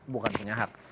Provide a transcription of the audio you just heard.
bukan punya hak